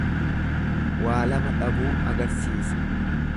Waa lama dhabuu agarsiisa.